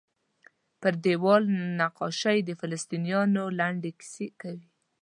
پر دیوال نقاشۍ د فلسطینیانو لنډې کیسې کوي.